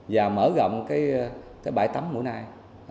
và mở rộng cái bãi tắm mũi nai